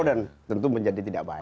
dan tentu menjadi tidak baik